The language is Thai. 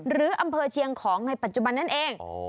หรืออำเภอเชียงของในปัจจุบันนั่นเอง